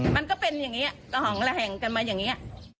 มันก็เป็นอย่างนี้ระห่องระแหงกันมาอย่างนี้